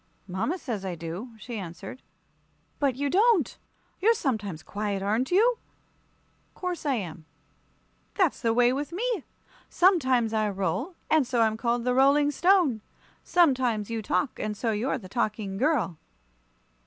"Mama says I do," she answered. "But you don't. You're sometimes quiet, aren't you?" "'Course I am." "That's the way with me. Sometimes I roll, and so I'm called the Rolling Stone. Sometimes you talk, and so you're the Talking Girl."